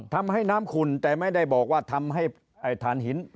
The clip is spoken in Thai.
ทำให้น้ำขุ่นแต่ไม่ได้บอกว่าทำให้ฐานหิน